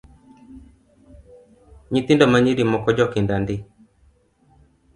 Nyithindo manyiri moko jokinda ndi